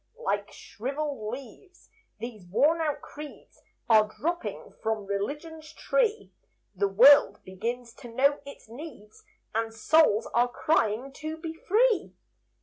Like shriveled leaves, these worn out creeds Are dropping from Religion's tree; The world begins to know its needs, And souls are crying to be free.